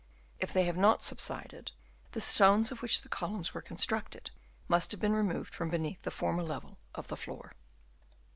If they have not subsided, the stones of which the columns were constructed must have been removed from beneath the former level of the floor.